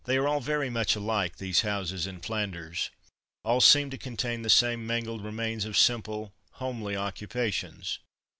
They are all very much alike, these houses in Flanders; all seem to contain the same mangled remains of simple, homely occupations.